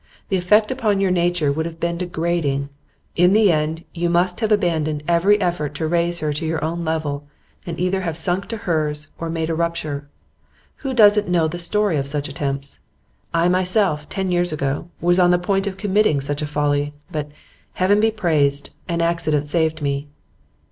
The effect upon your nature would have been degrading. In the end, you must have abandoned every effort to raise her to your own level, and either have sunk to hers or made a rupture. Who doesn't know the story of such attempts? I myself ten years ago, was on the point of committing such a folly, but, Heaven be praised! an accident saved me.